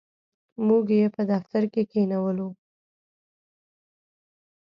موږ یې په دفتر کې کښېنولو.